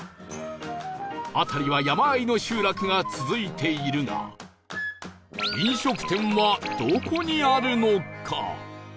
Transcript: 辺りは山あいの集落が続いているが飲食店はどこにあるのか？